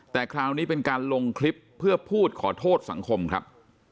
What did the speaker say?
แต่คราวนี้เป็นการลงคลิปเพื่อพูดขอโทษสังคมครับ